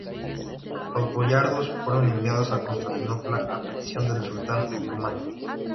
Los boyardos fueron enviados a Constantinopla a petición del Sultán otomano.